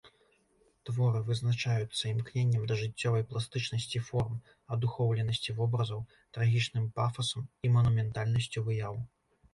Творы вызначаюцца імкненнем да жыццёвай пластычнасці форм, адухоўленасці вобразаў, трагічным пафасам і манументальнасцю выяў.